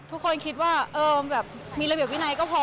ทุกคนคิดว่าแบบมีระเบียบวินัยก็พอ